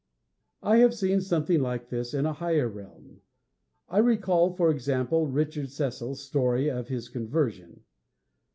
I have seen something like this in a higher realm. I recall, for example, Richard Cecil's story of his conversion.